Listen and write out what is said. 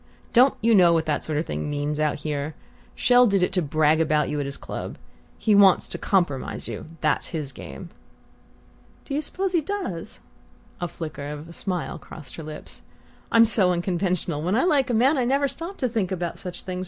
Don't you know what that sort of thing means out here? Chelles did it to brag about you at his club. He wants to compromise you that's his game!" "Do you suppose he does?" A flicker of a smile crossed her lips. "I'm so unconventional: when I like a man I never stop to think about such things.